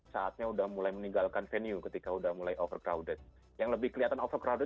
saatnya udah mulai meninggalkan venue ketika udah mulai overcrowded yang lebih kelihatan overcrowded